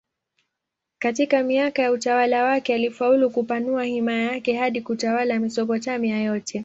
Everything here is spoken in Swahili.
Katika miaka ya utawala wake alifaulu kupanua himaya yake hadi kutawala Mesopotamia yote.